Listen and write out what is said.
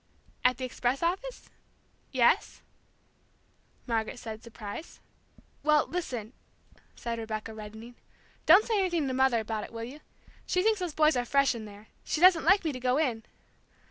"At the express office ? Yes," Margaret said, surprised. "Well, listen," said Rebecca, reddening. "Don't say anything to Mother about it, will you? She thinks those boys are fresh in there She don't like me to go in!"